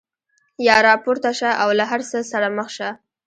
یا راپورته شه او له هر څه سره مخ شه.